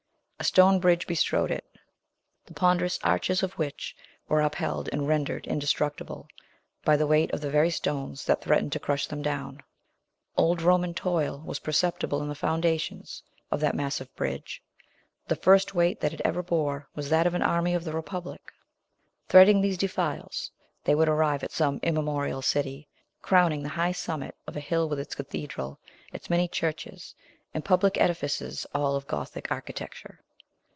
A stone bridge bestrode it, the ponderous arches of which were upheld and rendered indestructible by the weight of the very stones that threatened to crush them down. Old Roman toil was perceptible in the foundations of that massive bridge; the first weight that it ever bore was that of an army of the Republic. Threading these defiles, they would arrive at some immemorial city, crowning the high summit of a hill with its cathedral, its many churches, and public edifices, all of Gothic architecture.